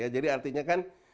jadi artinya kan